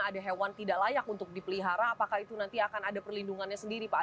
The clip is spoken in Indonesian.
ada hewan tidak layak untuk dipelihara apakah itu nanti akan ada perlindungannya sendiri pak